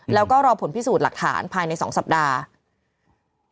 แล้วก็รอผลพิสูจน์หลักฐานภายใน๒สัปดาห์